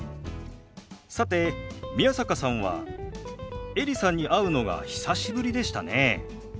さて宮坂さんはエリさんに会うのが久しぶりでしたね。